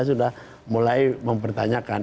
sudah mulai mempertanyakan